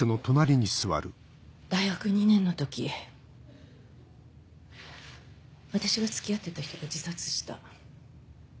大学２年の時私が付き合ってた人が自殺した。